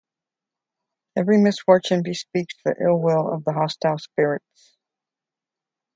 Every misfortune bespeaks the ill-will of the hostile spirits.